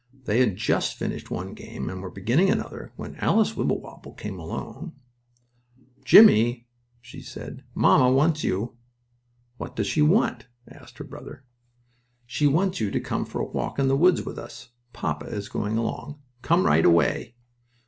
They had just finished one game, and were beginning another when Alice Wibblewobble came alone. "Jimmie," she said, "mamma wants you." "What does she want?" asked her brother. "She wants you to come for a walk in the woods with us. Papa is going along. Come right away."